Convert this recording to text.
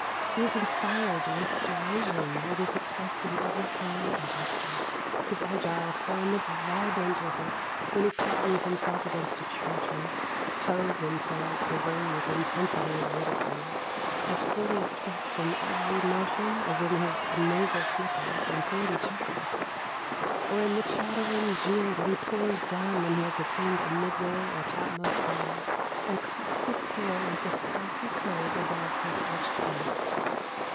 He is inspired with derision that is expressed in every tone and gesture. His agile form is vibrant with it when he flattens himself against a tree trunk, toes and tail quivering with intensity of ridicule as fully expressed in every motion as in his nasal snicker and throaty chuckle or in the chattering jeer that he pours down when he has attained a midway or topmost bough and cocks his tail with a saucy curve above his arched back.